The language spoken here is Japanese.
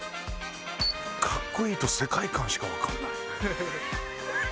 「カッコいい」と「世界観」しかわからない。